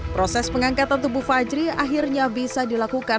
proses pengangkatan tubuh fajri akhirnya bisa dilakukan